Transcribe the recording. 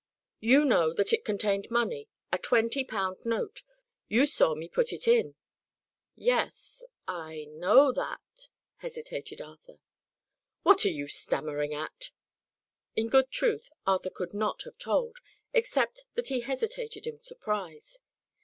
"You know that it contained money a twenty pound note. You saw me put it in." "Yes I know that," hesitated Arthur. "What are you stammering at?" In good truth, Arthur could not have told, except that he hesitated in surprise.